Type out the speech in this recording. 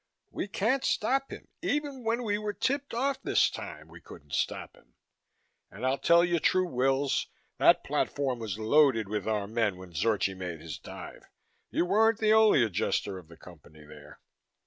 We can't stop him. Even when we were tipped off this time we couldn't stop him. And I'll tell you true, Wills, that platform was loaded with our men when Zorchi made his dive. You weren't the only Adjuster of the Company there."